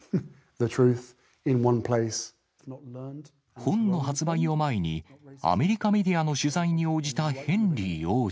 本の発売を前に、アメリカメディアの取材に応じたヘンリー王子。